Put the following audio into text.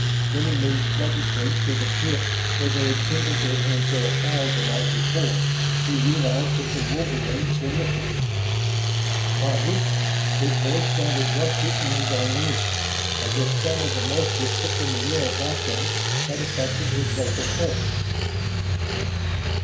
When he moved sluggishly to the pit where they had kindled their handful of fire the night before he realized that the wolverines were missing. "Taggi ?" His voice sounded rusty in his own ears, as if some of the moisture thick in the air about them had affected his vocal cords.